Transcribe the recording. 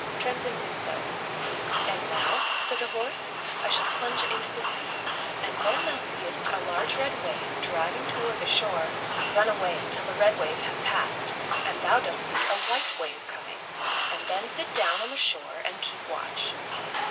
Tremsin did so. " And now," said the horse, " I shall plunge into the sea, and when thou seest a large red wave driving toward the shore, run away till the red wave has passed and thou dost see a white wave coming, and then sit down on the shore and keep watch.